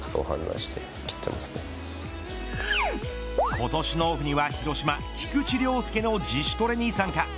今年のオフには広島菊池涼介の自主トレに参加。